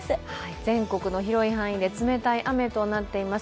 全国の広い範囲で冷たい雨となっています。